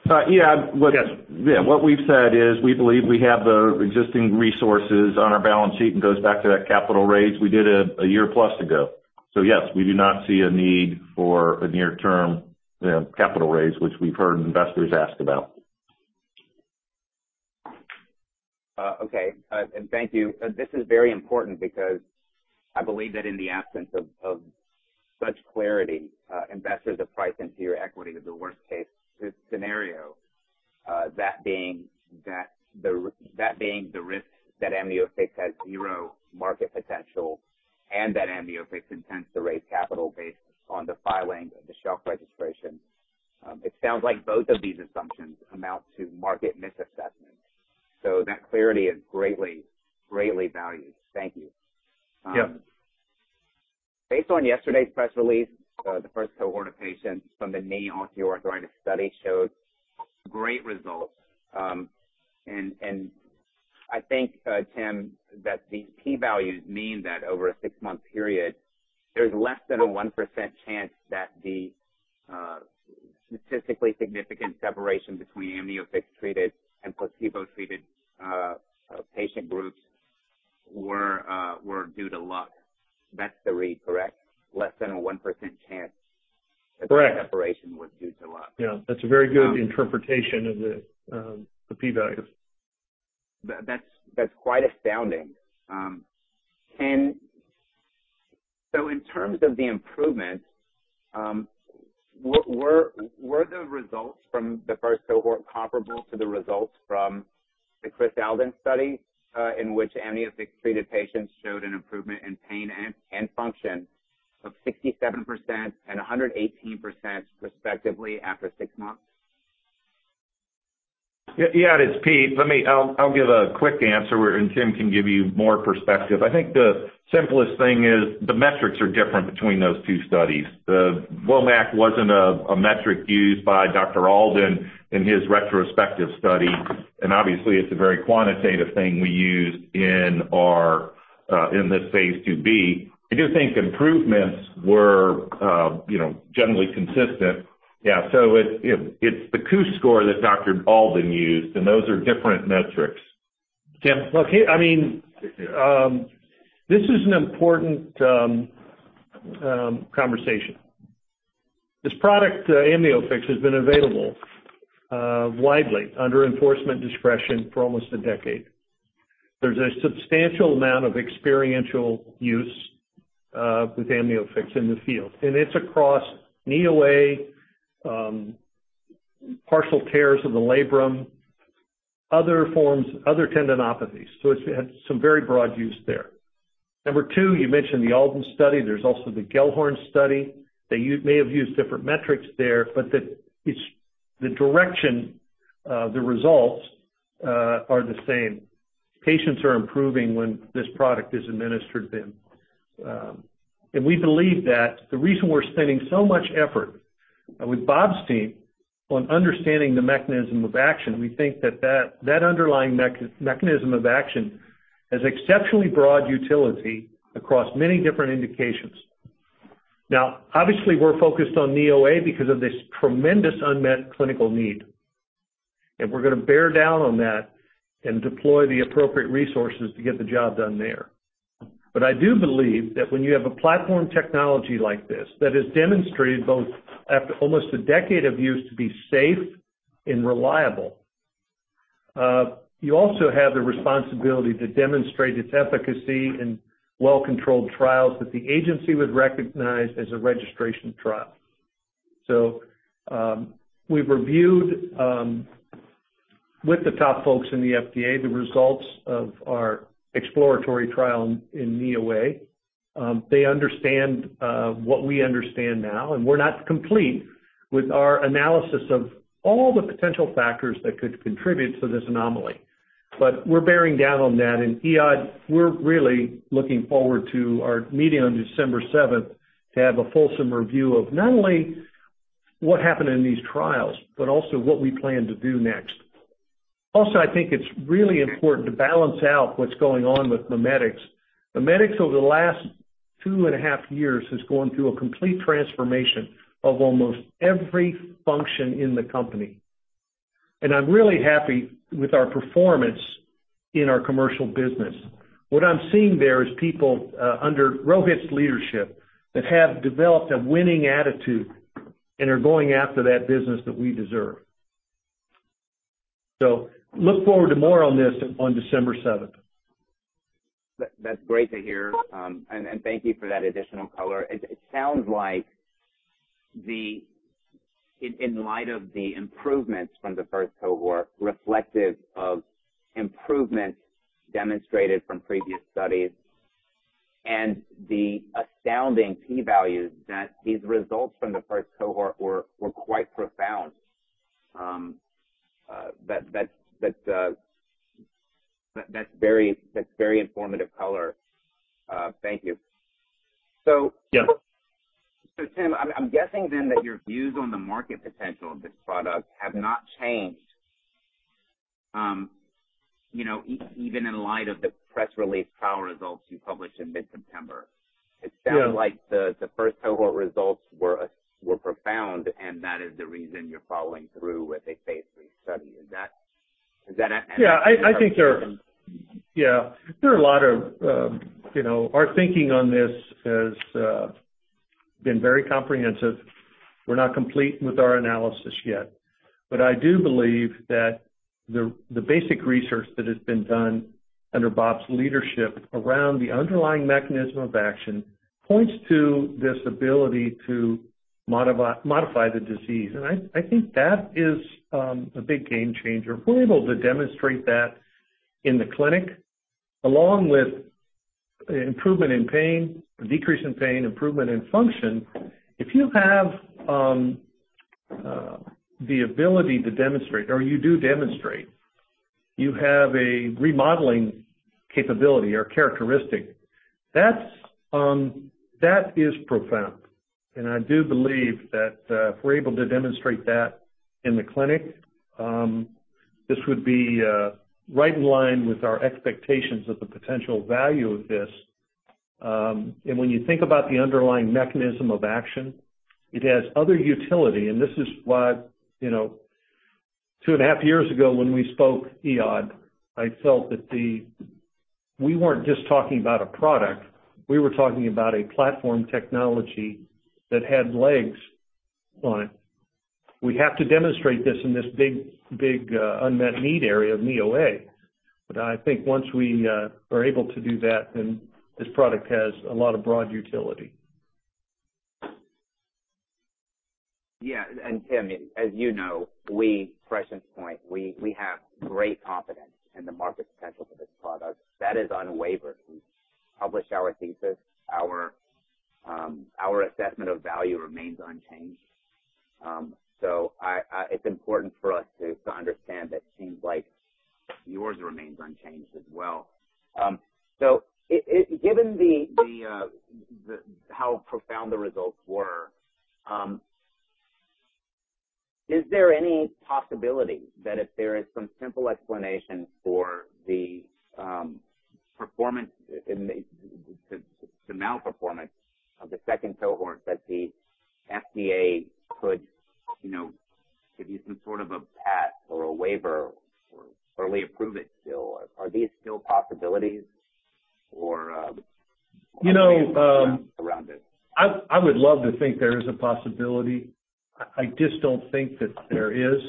Eiad, look, yeah, what we've said is we believe we have the existing resources on our balance sheet, and goes back to that capital raise we did a year plus ago. Yes, we do not see a need for a near-term, you know, capital raise, which we've heard investors ask about. Okay. Thank you. This is very important because I believe that in the absence of such clarity, investors will price into your equity the worst case scenario, that being the risk that AmnioFix has zero market potential and that AmnioFix intends to raise capital based on the filing of the shelf registration. It sounds like both of these assumptions amount to market misassessment. That clarity is greatly valued. Thank you. Yeah. Based on yesterday's press release, the first cohort of patients from the knee osteoarthritis study showed great results. I think, Tim, that these P values mean that over a six-month period, there's less than a 1% chance that the statistically significant separation between AmnioFix-treated and placebo-treated patient groups were due to luck. That's the read, correct? Less than a 1% chance. Correct. that the separation was due to luck. Yeah, that's a very good interpretation of the P values. That's quite astounding. In terms of the improvements, were the results from the first cohort comparable to the results from the Chris Alden study, in which AmnioFix-treated patients showed an improvement in pain and function of 67% and 118% respectively after six months? Yeah, it is Pete. Let me give a quick answer and Tim can give you more perspective. I think the simplest thing is the metrics are different between those two studies. The WOMAC wasn't a metric used by Dr. Alden in his retrospective study, and obviously it's a very quantitative thing we use in this phase 2B. I do think improvements were you know generally consistent. Yeah, so it's the KOOS score that Dr. Alden used, and those are different metrics. Tim. Look, I mean, this is an important conversation. This product, AmnioFix, has been available widely under enforcement discretion for almost a decade. There's a substantial amount of experiential use with AmnioFix in the field, and it's across knee OA, partial tears of the labrum, other forms, other tendinopathies. It's had some very broad use there. Number two, you mentioned the Alden study. There's also the Gellhorn study. They may have used different metrics there, but it's the direction of the results are the same. Patients are improving when this product is administered to them. We believe that the reason we're spending so much effort with Bob's team on understanding the mechanism of action. We think that underlying mechanism of action has exceptionally broad utility across many different indications. Now, obviously, we're focused on knee OA because of this tremendous unmet clinical need, and we're gonna bear down on that and deploy the appropriate resources to get the job done there. I do believe that when you have a platform technology like this that has demonstrated both, after almost a decade of use, to be safe and reliable, you also have the responsibility to demonstrate its efficacy in well-controlled trials that the agency would recognize as a registration trial. We've reviewed with the top folks in the FDA the results of our exploratory trial in knee OA. They understand what we understand now, and we're not complete with our analysis of all the potential factors that could contribute to this anomaly. We're bearing down on that. Eiad, we're really looking forward to our meeting on December 7th to have a fulsome review of not only what happened in these trials, but also what we plan to do next. Also, I think it's really important to balance out what's going on with MiMedx. MiMedx, over the last two and a half years, has gone through a complete transformation of almost every function in the company. I'm really happy with our performance in our commercial business. What I'm seeing there is people under Rohit's leadership that have developed a winning attitude and are going after that business that we deserve. Look forward to more on this on December 7th. That's great to hear, and thank you for that additional color. It sounds like, in light of the improvements from the first cohort, reflective of improvements demonstrated from previous studies and the astounding p values, these results from the first cohort were quite profound. That's very informative color. Thank you. Yeah. Tim, I'm guessing then that your views on the market potential of this product have not changed, you know, even in light of the press release trial results you published in mid-September. Yeah. It sounds like the first cohort results were profound, and that is the reason you're following through with a phase III study. Is that an- I think there are a lot of. Our thinking on this has been very comprehensive. We're not complete with our analysis yet. I do believe that the basic research that has been done under Bob's leadership around the underlying mechanism of action points to this ability to modify the disease. I think that is a big game changer. If we're able to demonstrate that in the clinic, along with improvement in pain, decrease in pain, improvement in function, the ability to demonstrate you have a remodeling capability or characteristic. That is profound. I do believe that if we're able to demonstrate that in the clinic, this would be right in line with our expectations of the potential value of this. When you think about the underlying mechanism of action, it has other utility. This is why, you know, two and a half years ago when we spoke, Eiad, I felt that we weren't just talking about a product, we were talking about a platform technology that had legs on it. We have to demonstrate this in this big unmet need area of knee OA. I think once we are able to do that, then this product has a lot of broad utility. Yeah. Tim, as you know, we, Prescience Point, we have great confidence in the market potential for this product. That is unwavering. We've published our thesis. Our assessment of value remains unchanged. It's important for us to understand that teams like yours remains unchanged as well. Given how profound the results were, is there any possibility that if there is some simple explanation for the performance in the malperformance of the second cohort that the FDA could give you some sort of a pass or a waiver or early approve it still? Are these still possibilities or around it? You know, I would love to think there is a possibility. I just don't think that there is.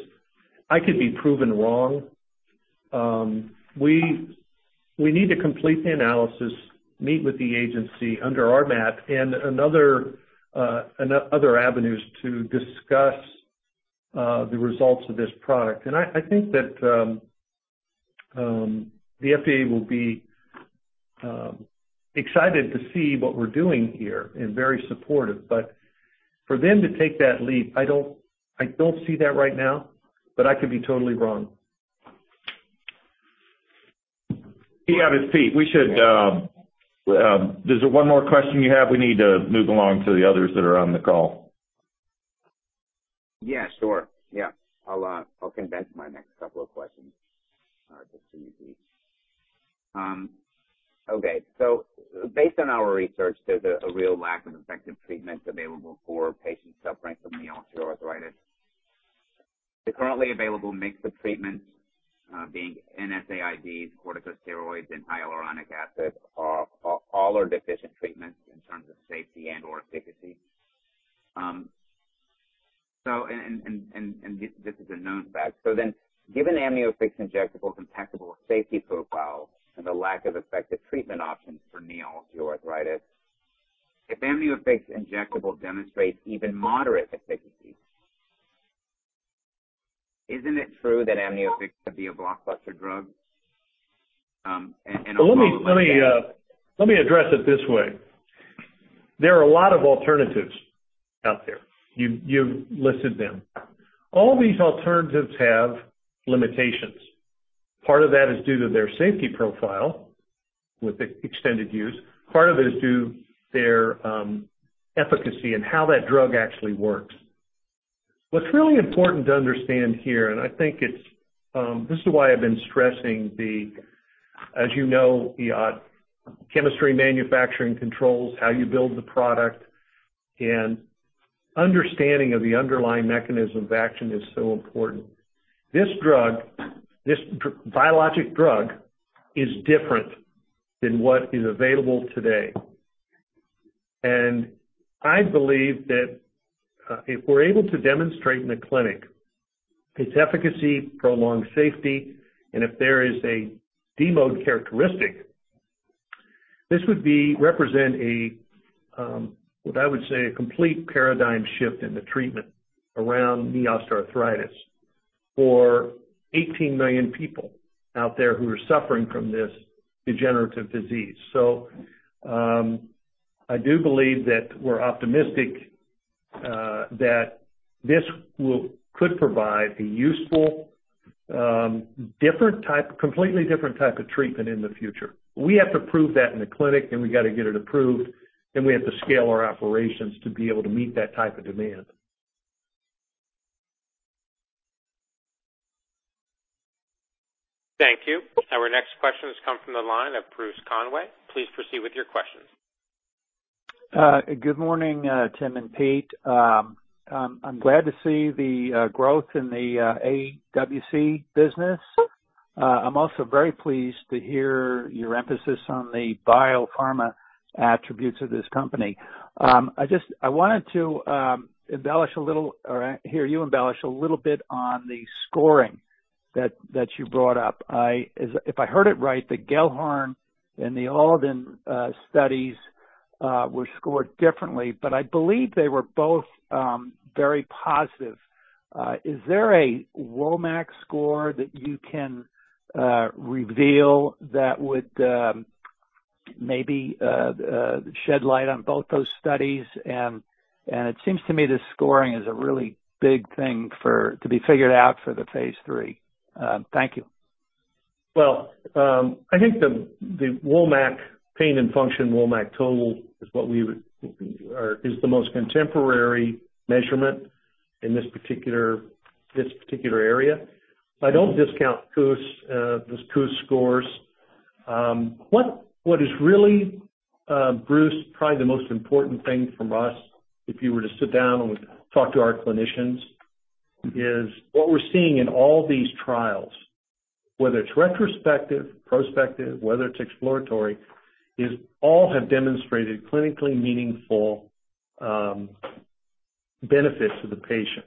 I could be proven wrong. We need to complete the analysis, meet with the agency under RMAT and other avenues to discuss the results of this product. I think that the FDA will be excited to see what we're doing here and very supportive. But for them to take that leap, I don't see that right now, but I could be totally wrong. Yes, it's Pete, is there one more question you have? We need to move along to the others that are on the call. Yeah, sure. Yeah. I'll condense my next couple of questions just to be brief. Okay. Based on our research, there's a real lack of effective treatments available for patients suffering from knee osteoarthritis. The currently available mix of treatments being NSAIDs, corticosteroids and hyaluronic acid are all deficient treatments in terms of safety and/or efficacy. And this is a known fact. Given AmnioFix Injectable's impeccable safety profile and the lack of effective treatment options for knee osteoarthritis, if AmnioFix Injectable demonstrates even moderate efficacy, isn't it true that AmnioFix could be a blockbuster drug in a Let me address it this way. There are a lot of alternatives out there. You've listed them. All these alternatives have limitations. Part of that is due to their safety profile with extended use. Part of it is due to their efficacy and how that drug actually works. What's really important to understand here, and I think this is why I've been stressing the, as you know, Ehud, chemistry manufacturing controls, how you build the product, and understanding of the underlying mechanism of action is so important. This drug, this biologic drug is different than what is available today. I believe that, if we're able to demonstrate in the clinic its efficacy, prolonged safety, and if there is a disease-modifying characteristic, this would represent a, what I would say, a complete paradigm shift in the treatment around knee osteoarthritis for 18 million people out there who are suffering from this degenerative disease. I do believe that we're optimistic, that this could provide a useful, completely different type of treatment in the future. We have to prove that in the clinic, and we got to get it approved, then we have to scale our operations to be able to meet that type of demand. Thank you. Our next question has come from the line of [Bruce Conway]. Please proceed with your questions. Good morning, Tim and Pete. I'm glad to see the growth in the AWC business. I'm also very pleased to hear your emphasis on the biopharma attributes of this company. I wanted to embellish a little or hear you embellish a little bit on the scoring that you brought up. If I heard it right, the Gellhorn and the Alden studies were scored differently, but I believe they were both very positive. Is there a WOMAC score that you can reveal that would maybe shed light on both those studies and it seems to me the scoring is a really big thing to be figured out for the phase III. Thank you. Well, I think the WOMAC pain and function, WOMAC total is what we would or is the most contemporary measurement in this particular area. I don't discount KOOS, those KOOS scores. What is really, [Bruce], probably the most important thing from us, if you were to sit down and talk to our clinicians, is what we're seeing in all these trials, whether it's retrospective, prospective, whether it's exploratory, is all have demonstrated clinically meaningful benefits to the patient.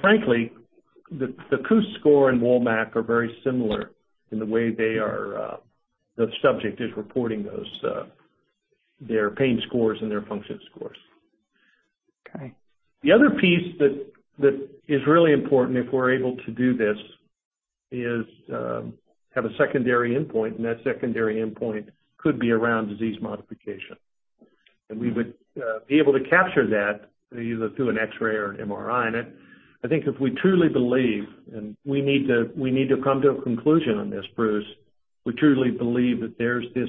Frankly, the KOOS score and WOMAC are very similar in the way they are, the subject is reporting those, their pain scores and their function scores. Okay. The other piece that is really important if we're able to do this is have a secondary endpoint, and that secondary endpoint could be around disease modification. We would be able to capture that either through an X-ray or an MRI. I think if we truly believe and we need to, we need to come to a conclusion on this, Bruce. We truly believe that there's this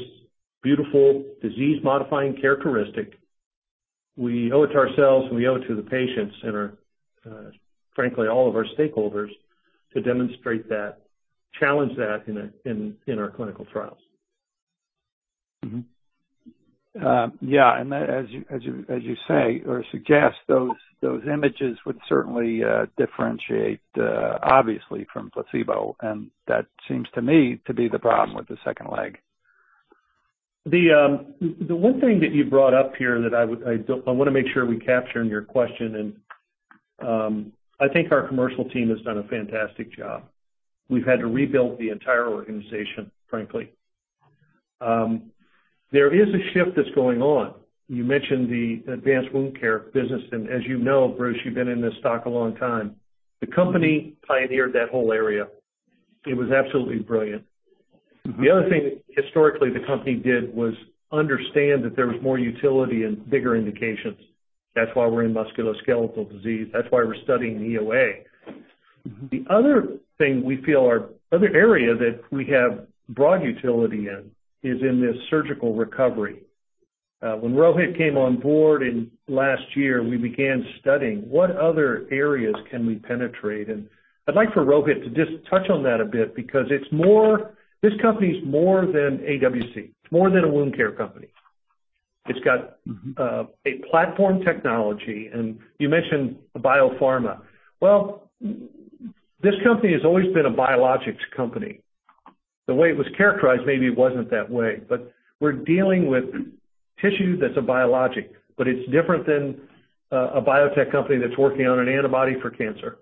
beautiful disease-modifying characteristic. We owe it to ourselves, and we owe it to the patients and our frankly all of our stakeholders to demonstrate that, challenge that in our clinical trials. Yeah, as you say or suggest, those images would certainly differentiate, obviously, from placebo. That seems to me to be the problem with the second leg. The one thing that you brought up here that I wanna make sure we capture in your question, and I think our commercial team has done a fantastic job. We've had to rebuild the entire organization, frankly. There is a shift that's going on. You mentioned the advanced wound care business, and as you know, Bruce, you've been in this stock a long time. The company pioneered that whole area. It was absolutely brilliant. Mm-hmm. The other thing historically the company did was understand that there was more utility and bigger indications. That's why we're in musculoskeletal disease. That's why we're studying NEOA. Mm-hmm. The other thing we feel or other area that we have broad utility in is in this surgical recovery. When Rohit came on board in last year, we began studying what other areas can we penetrate. I'd like for Rohit to just touch on that a bit because it's more. This company is more than AWC. It's more than a wound care company. It's got- Mm-hmm. a platform technology. You mentioned biopharma. Well, this company has always been a biologics company. The way it was characterized, maybe it wasn't that way. But we're dealing with tissue that's a biologic, but it's different than a biotech company that's working on an antibody for cancer.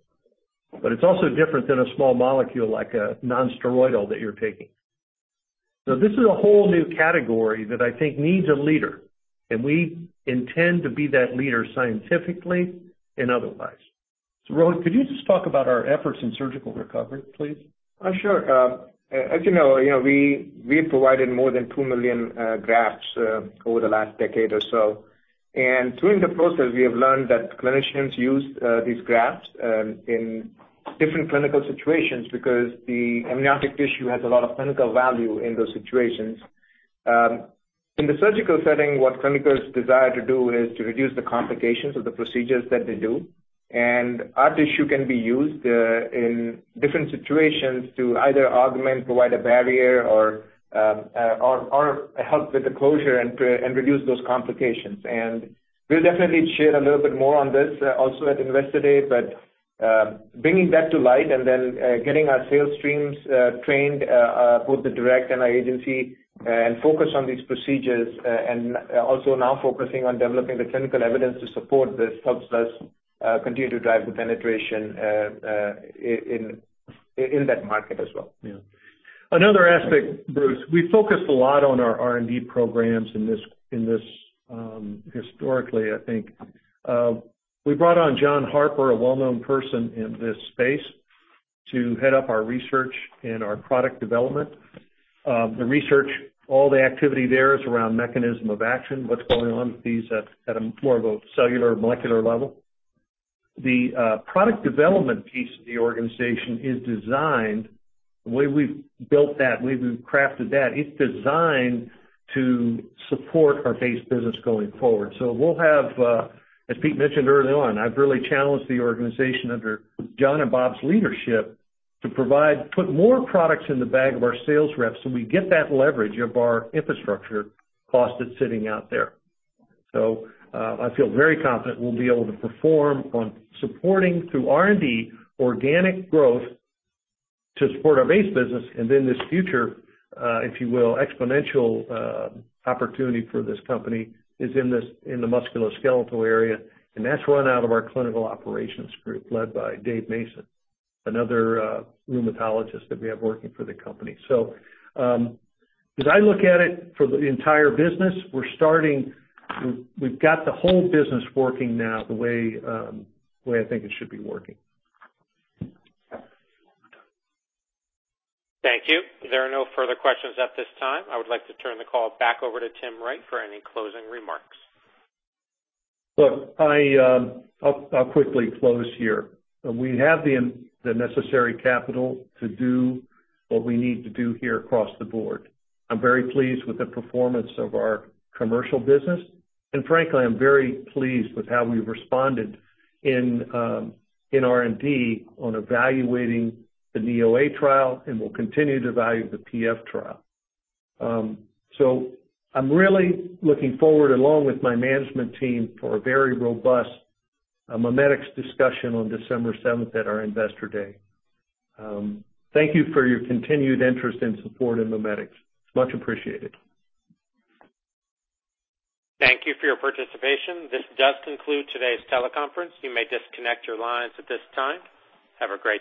But it's also different than a small molecule like a non-steroidal that you're taking. This is a whole new category that I think needs a leader, and we intend to be that leader scientifically and otherwise. Rohit, could you just talk about our efforts in surgical recovery, please? Sure. As you know, we have provided more than 2 million grafts over the last decade or so. During the process, we have learned that clinicians use these grafts in different clinical situations because the amniotic tissue has a lot of clinical value in those situations. In the surgical setting, what clinicians desire to do is to reduce the complications of the procedures that they do. Our tissue can be used in different situations to either augment, provide a barrier or help with the closure and reduce those complications. We'll definitely share a little bit more on this also at Investor Day. Bringing that to light and then getting our sales streams trained, both the direct and our agency, and focus on these procedures and also now focusing on developing the clinical evidence to support this helps us continue to drive the penetration in that market as well. Yeah. Another aspect, Bruce, we focused a lot on our R&D programs in this historically, I think. We brought on John Harper, a well-known person in this space, to head up our research and our product development. The research, all the activity there is around mechanism of action, what's going on with these at a more of a cellular molecular level. The product development piece of the organization is designed the way we've built that, the way we've crafted that, it's designed to support our base business going forward. We'll have, as Pete mentioned early on, I've really challenged the organization under John and Bob's leadership to put more products in the bag of our sales reps, so we get that leverage of our infrastructure cost that's sitting out there. I feel very confident we'll be able to perform on supporting through R&D organic growth to support our base business. This future, if you will, exponential opportunity for this company is in this, in the musculoskeletal area, and that's run out of our clinical operations group led by Dave Mason, another rheumatologist that we have working for the company. As I look at it for the entire business, we've got the whole business working now the way I think it should be working. Thank you. There are no further questions at this time. I would like to turn the call back over to Tim Wright for any closing remarks. Look, I'll quickly close here. We have the necessary capital to do what we need to do here across the board. I'm very pleased with the performance of our commercial business. Frankly, I'm very pleased with how we've responded in R&D on evaluating the NeoA trial, and we'll continue to evaluate the PF trial. I'm really looking forward, along with my management team, for a very robust MiMedx discussion on December 7th at our Investor Day. Thank you for your continued interest and support in MiMedx. It's much appreciated. Thank you for your participation. This does conclude today's teleconference. You may disconnect your lines at this time. Have a great day.